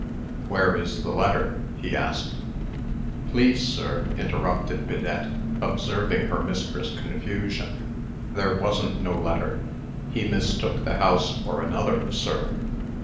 "Where is the letter?" he asked. "Please, sir," interrupted Bidette, observing her mistress's confusion, "there wasn't no letter. He mistook the house for another, sir."